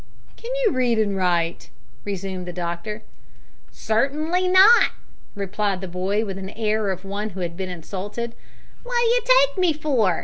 "Can you read and write?" resumed the doctor. "Cern'ly not," replied the boy, with the air of one who had been insulted; "wot d'you take me for?